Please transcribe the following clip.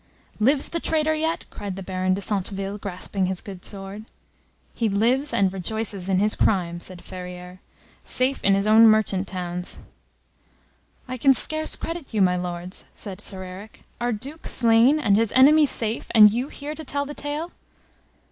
"Lives the traitor yet?" cried the Baron de Centeville, grasping his good sword. "He lives and rejoices in his crime," said Ferrieres, "safe in his own merchant towns." "I can scarce credit you, my Lords!" said Sir Eric. "Our Duke slain, and his enemy safe, and you here to tell the tale!"